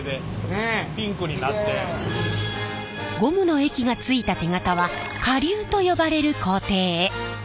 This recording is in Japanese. ゴムの液がついた手型は加硫と呼ばれる工程へ。